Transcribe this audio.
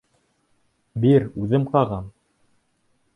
Бир, үҙем ҡағам.